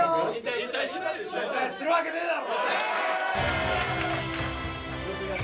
引退するわけないだろ！